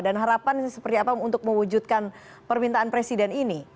dan harapan seperti apa untuk mewujudkan permintaan presiden ini